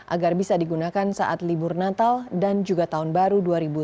agar bisa digunakan saat libur natal dan juga tahun baru dua ribu delapan belas